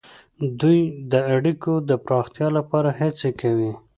دوی د اړیکو د پراختیا لپاره هڅې کوي